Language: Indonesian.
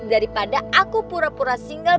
daripada aku pura pura single